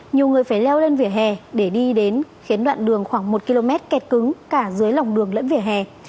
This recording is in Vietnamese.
nhiều người phải leo lên vỉa hè để đi đến khiến đoạn đường khoảng một km kẹt cứng cả dưới lòng đường lẫn vỉa hè